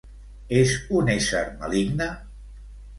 És un ésser maligne?